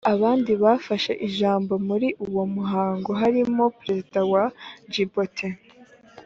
abandi bafashe ijambo muri uwo muhango harimo perezida wa djibouti